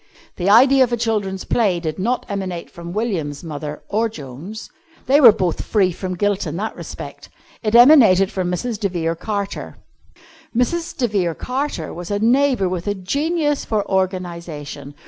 The idea of a children's play did not emanate from William's mother, or Joan's. They were both free from guilt in that respect. It emanated from Mrs. de Vere Carter. Mrs. de Vere Carter was a neighbour with a genius for organisation.